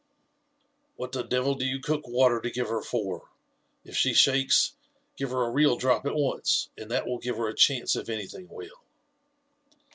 What the devil do you cook water to give her for ? If she shakes, give her a real drop at once, and that will give her a chance if anything will."